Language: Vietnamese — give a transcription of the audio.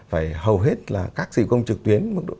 phải hầu hết là các dịch vụ công trực tuyến